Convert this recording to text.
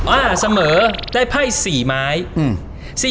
อ่าเสมอได้ไพ่๔ไม้